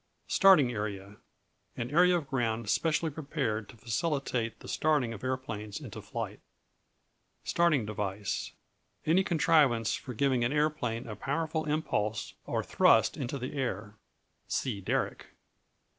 Starting Area An area of ground specially prepared to facilitate the starting of aeroplanes into flight. Starting Device Any contrivance for giving an aeroplane a powerful impulse or thrust into the air. See Derrick.